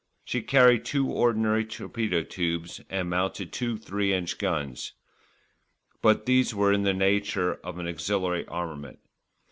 She carried two ordinary torpedo tubes and mounted two 3 in. guns; but these were in the nature of an auxiliary armament.